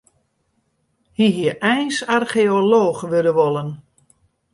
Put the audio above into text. Hy hie eins archeolooch wurde wollen.